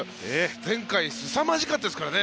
前回すさまじかったですからね。